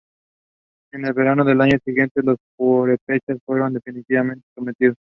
En el verano del año siguiente los pehuenches fueron definitivamente sometidos.